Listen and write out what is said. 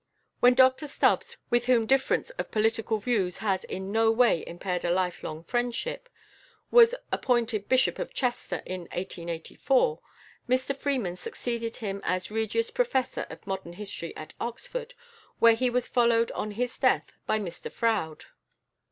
When Dr Stubbs, with whom difference of political views has in no way impaired a lifelong friendship, was appointed Bishop of Chester in 1884, Mr Freeman succeeded him as Regius Professor of Modern History at Oxford, where he was followed on his death by Mr Froude.